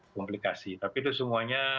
komplikasi tapi itu semuanya